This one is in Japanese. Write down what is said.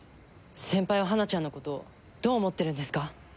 先輩は花ちゃんの事どう思ってるんですか？